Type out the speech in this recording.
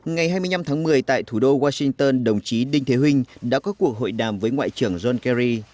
ngày hai mươi năm tháng một mươi tại thủ đô washington đồng chí đinh thế huynh đã có cuộc hội đàm với ngoại trưởng john kerry